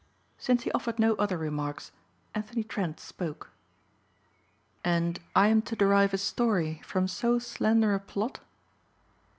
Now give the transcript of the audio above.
Since he offered no other remarks Anthony Trent spoke. "And I am to derive a story from so slender a plot."